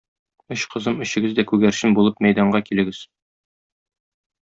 Өч кызым, өчегез дә күгәрчен булып мәйданга килегез!